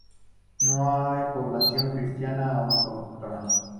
No hay población cristiana autóctona.